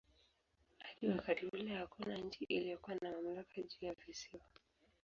Hadi wakati ule hakuna nchi iliyokuwa na mamlaka juu ya visiwa.